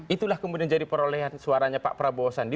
itulah kemudian jadi perolehan suaranya pak prabowo sandi